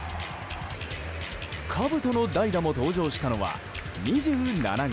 かぶとの代打も登場したのは２７号。